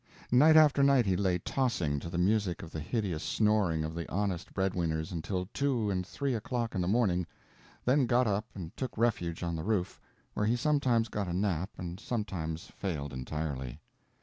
Night after night he lay tossing to the music of the hideous snoring of the honest bread winners until two and three o'clock in the morning, then got up and took refuge on the roof, where he sometimes got a nap and sometimes failed entirely.